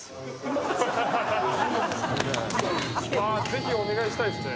ぜひお願いしたいですね。